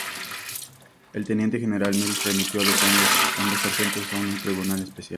El teniente general Mills remitió a ambos sargentos a un Tribunal Especial.